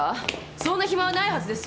そんな暇はないはずですよ。